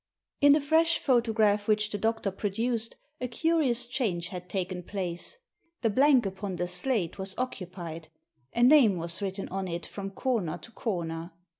" In the fresh photograph which the doctor pro duced a curious change had taken place. The blank upon the slate was occupied; a name was written on it from comer to corner.